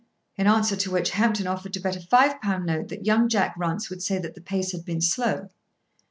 In answer to which Hampton offered to bet a five pound note that young Jack Runce would say that the pace had been slow.